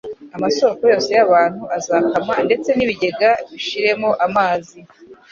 Amasoko yose y'abantu azakama ndetse n'ibigega bishiremo amazi